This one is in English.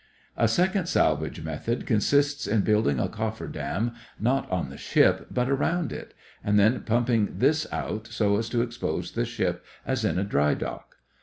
A second salvage method consists in building a coffer dam not on the ship but around it, and then pumping this out so as to expose the ship as in a dry dock.